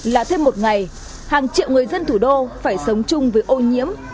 là thêm một ngày hàng triệu người dân thủ đô phải sống chung với ô nhiễm